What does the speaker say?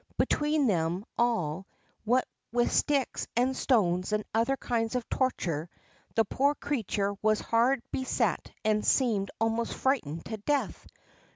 Between them all, what with sticks and stones and other kinds of torture, the poor creature was hard beset and seemed almost frightened to death.